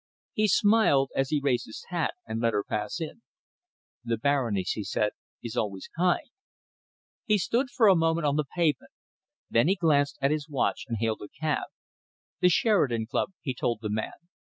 He smiled as he raised his hat and let her pass in. "The Baroness," he said, "is always kind." He stood for a moment on the pavement. Then he glanced at his watch and hailed a cab. "The Sheridan Club," he told the man.